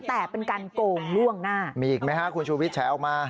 แต่เป็นการโกงล่วงหน้ามีอีกไหมฮะคุณชูวิทยแฉออกมา